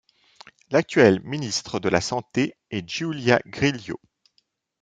L'actuelle ministre de la Santé est Giulia Grillo.